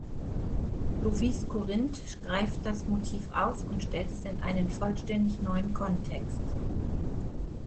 Lovis Corinth greift das Motiv auf und stellt es in einen vollständig neuen Kontext.